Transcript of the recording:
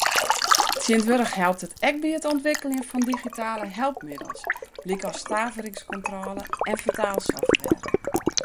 Tsjintwurdich helpt it ek by it ûntwikkeljen fan digitale helpmiddels lykas staveringskontrôle en fertaalsoftware.